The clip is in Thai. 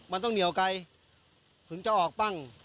มันต้องเหนียวไกลถึงจะออกปั้ง